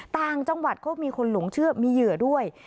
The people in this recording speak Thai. ต่างจังหวัดก็มีคนหลงเชื่อมีเหยื่อด้วย